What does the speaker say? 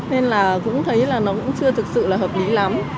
nên là cũng thấy là nó cũng chưa thực sự là hợp lý lắm